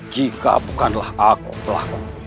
jika bukanlah aku pelakunya